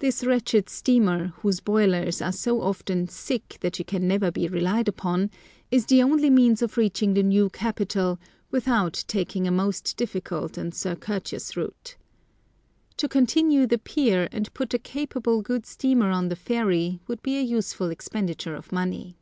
This wretched steamer, whose boilers are so often "sick" that she can never be relied upon, is the only means of reaching the new capital without taking a most difficult and circuitous route. To continue the pier and put a capable good steamer on the ferry would be a useful expenditure of money.